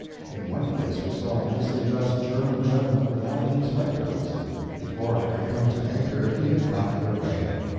In one place we saw a nicely dressed German gentleman without any spectacles. Before I could come to anchor he had got underway.